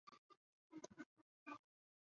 会议决定成立东北最高行政委员会。